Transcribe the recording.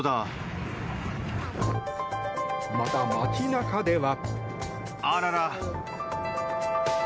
また、街中では。